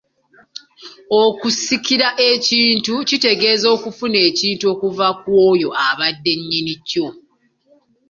Okusikira ekintu kitegeeza kufuna ekintu okuva kwoyo abadde nnyinikyo